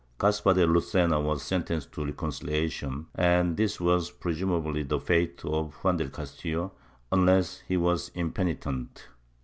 Caspar de Lucena was sentenced to reconciliation and this was presumably the fate of Juan del Castillo unless he was impenitent.'